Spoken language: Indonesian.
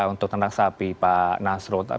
untuk ternak sapi pak nasrud